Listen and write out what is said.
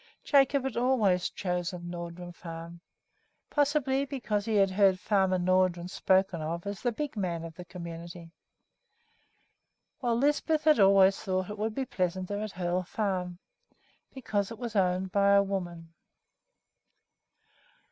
Jacob had always chosen Nordrum Farm, probably because he had heard Farmer Nordrum spoken of as the big man of the community; while Lisbeth had always thought that it would be pleasanter at Hoel Farm because it was owned by a woman.